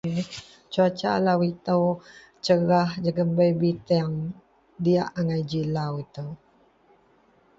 Cuaca lau itou cerah jegem bei binteang. Diyak ji lau lau itou.